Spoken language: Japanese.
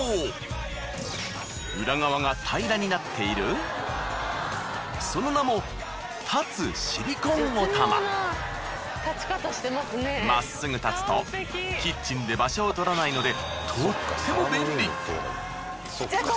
裏側が平らになっているその名もまっすぐ立つとキッチンで場所をとらないのでとっても便利！